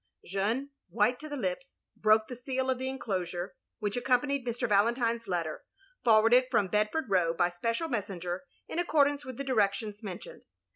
'* Jeanne, white to the lips, broke the seal of the enclosure, which accompanied Mr. Valentine's letter, forwarded from Bedford Row by special messenger, in accordance with the directions mentioned.